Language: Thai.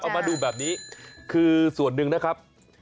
เอามาดูแบบนี้คือส่วนหนึ่งนะครับ